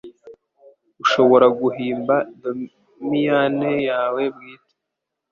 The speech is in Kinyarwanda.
ushobora guhimba domaine yawe bwite,